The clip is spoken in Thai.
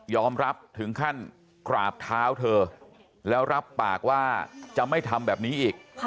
รับถึงขั้นกราบเท้าเธอแล้วรับปากว่าจะไม่ทำแบบนี้อีก